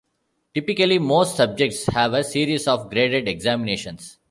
Typically, most subjects have a series of graded examinations.